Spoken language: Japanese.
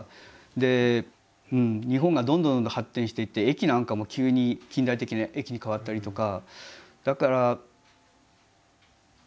で日本がどんどんどんどん発展していって駅なんかも急に近代的な駅に変わったりとか。